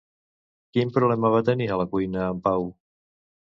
Quin problema va tenir a la cuina en Pau?